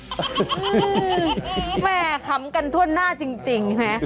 อื้อแหมคำกันทั่วหน้าจริงนะฮะ